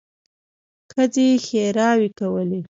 ښځې ښېراوې کولې.